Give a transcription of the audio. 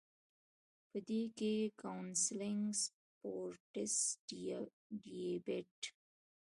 پۀ دې کښې کاونسلنګ ، سپورټس ، ډيبېټ ،